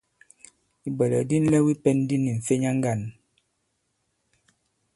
Ìbwɛ̀lɛ̀k di nlɛw i pɛ̄n di ni m̀fenya ŋgǎn.